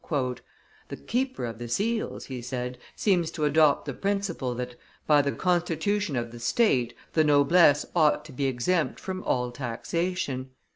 "The keeper of the seals," he said, "seems to adopt the principle that, by the constitution of the state, the noblesse ought to be exempt from all taxation.